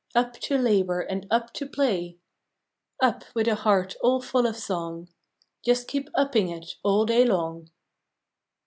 Up to labor and UP to play UP with a heart all full of song Just keep TIPPING it all day long.